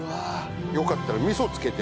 よかったらミソ付けて。